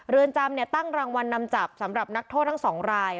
เรือนจำตั้งรางวัลนำจับสำหรับนักโทษทั้ง๒ราย